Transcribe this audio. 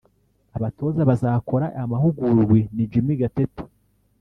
Abatoza bazakora aya mahugurwa ni Jimmy Gatete